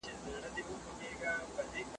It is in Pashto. کله چې زه لاړم دوی راغلل